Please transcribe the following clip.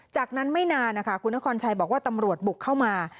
จากนั้นไม่นานนะคะคุณนครชัยบอกว่าตำรวจบุกเข้ามา